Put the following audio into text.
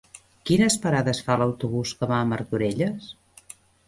Quines parades fa l'autobús que va a Martorelles?